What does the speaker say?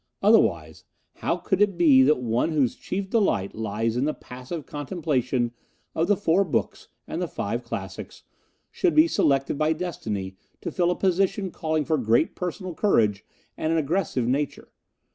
Otherwise, how could it be that one whose chief delight lies in the passive contemplation of the Four Books and the Five Classics, should be selected by destiny to fill a position calling for great personal courage and an aggressive nature?